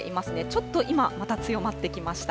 ちょっと今、また強まってきました。